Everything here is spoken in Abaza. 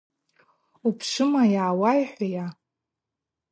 Упшвыма йгӏауайхӏвхйа?